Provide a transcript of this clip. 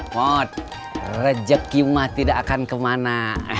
mod rejekimah tidak akan kemana